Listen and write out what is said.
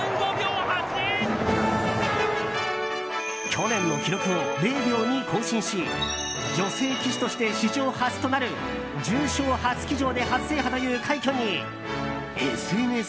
去年の記録を０秒２更新し女性騎手として史上初となる重賞初騎乗で初制覇という快挙にＳＮＳでは。